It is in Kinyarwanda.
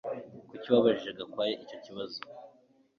Kuki wabajije Gakwaya icyo kibazo